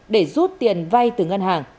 để rút tiền vai từ ngân hàng